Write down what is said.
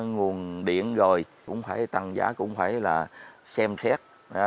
nguồn điện rồi cũng phải tăng giá cũng phải là xem xét